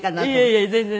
いえいえ全然全然。